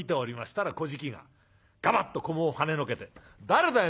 たらこじきがガバッと菰をはねのけて「誰だよ！